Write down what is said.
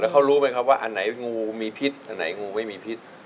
เขารู้ไหมครับว่าอันไหนงูมีพิษอันไหนงูไม่มีพิษ